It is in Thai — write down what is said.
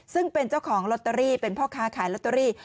ซึ่งเป็นเจ้าของลอตเตอรี่เป็นพ่อค้าขายลอตเตอรี่